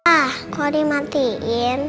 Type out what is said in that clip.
pak kok dimatiin